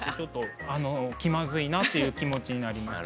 あの気まずいなという気持ちになりました。